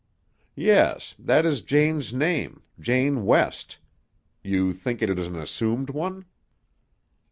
"Yes. That is Jane's name Jane West. You think it is an assumed one?"